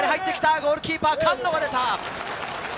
ゴールキーパーの菅野が出た。